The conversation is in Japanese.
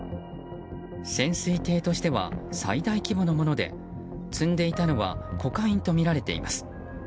潜水艇としては最大規模のもので積んでいたのはコカインとみられています。